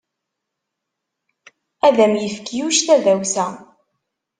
Ad am-yefk Yuc tadawsa.